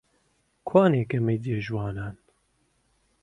کوانێ گەمەی جێ ژوانان؟